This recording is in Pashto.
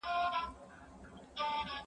زه له سهاره د کتابتون د کار مرسته کوم؟